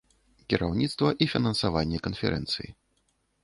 Кіраўніцтва і фінансаванне канферэнцыі.